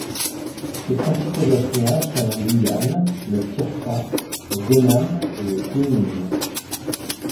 Ses principaux affluents sont l'Ouïan, le Tyrkan, le Gonam, et le Guynym.